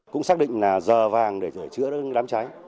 cũng xác định là giờ vàng để sửa chữa đám cháy